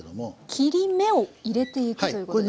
切り目を入れていくということですね。